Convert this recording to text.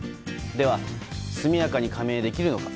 では、速やかに加盟できるのか。